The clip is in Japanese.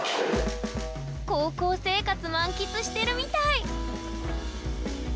高校生活満喫してるみたい！